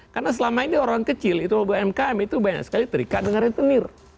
karena selama ini orang kecil itu umkm itu banyak sekali terikat dengan retenir